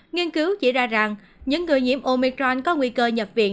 nghiên cứu chỉ ra rằng những người nhiễm omicron có nguy cơ nhập viện